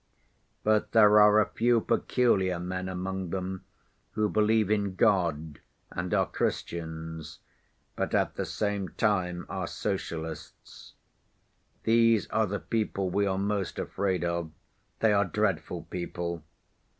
But there are a few peculiar men among them who believe in God and are Christians, but at the same time are socialists. These are the people we are most afraid of. They are dreadful people!